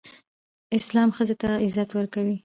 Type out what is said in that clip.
اسلام ښځې ته عزت ورکړی